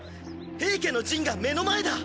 平家の陣が目の前だ！